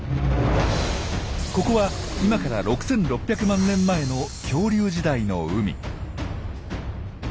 ここは今から６，６００万年前の恐竜時代の海。